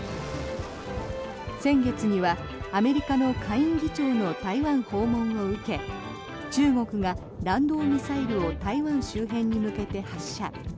先月にはアメリカの下院議長の台湾訪問を受け中国が弾道ミサイルを台湾周辺に向けて発射。